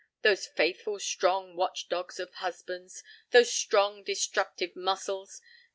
Those faithful, strong watch dogs of husbands! Those strong, destructive muscles!